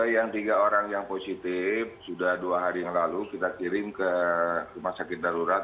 yang tiga orang yang positif sudah dua hari yang lalu kita kirim ke rumah sakit darurat